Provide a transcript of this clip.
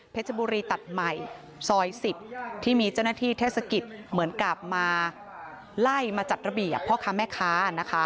พื้นที่ในคลิปนี้ค่ะ